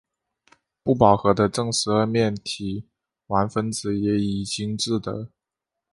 不饱和的正十二面体烷分子也已经制得。